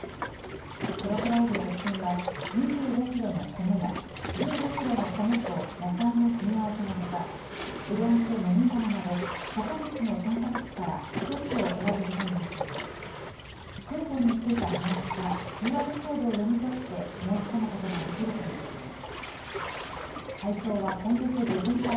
届けられる食品は、２５キロの米や、１５キロの米と野菜の組み合わせのほか、うどんと飲み物など、９つの選択肢から１つを選ぶことになっていて、クーポンについたはがきか、ＱＲコードを読み取って申し込むことができるということです。